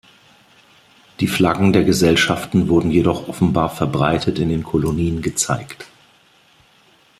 Die Flaggen der Gesellschaften wurden jedoch offenbar verbreitet in den Kolonien gezeigt.